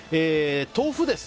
豆腐です。